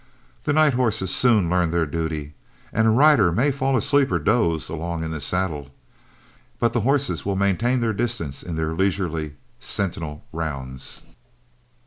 The night horses soon learn their duty, and a rider may fall asleep or doze along in the saddle, but the horses will maintain their distance in their leisurely, sentinel rounds.